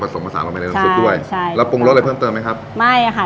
ผสมผสานลงไปในน้ำซุปด้วยใช่แล้วปรุงรสอะไรเพิ่มเติมไหมครับไม่ค่ะ